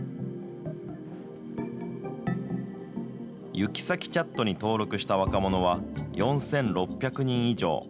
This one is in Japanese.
ユキサキチャットに登録した若者は、４６００人以上。